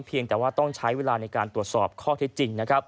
เพียงแต่ว่าต้องใช้เวลาในการตรวจสอบข้อที่จริง